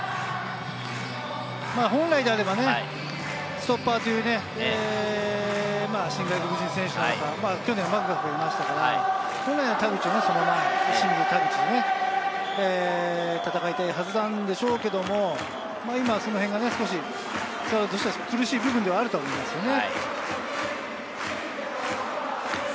本来はストッパーという新外国人選手、去年はマクガフがいましたけど、去年、田口はその前、清水、田口、戦いたいはずなんでしょうけど、今、そのへんが少しスワローズとして苦しい部分ではあると思いますね。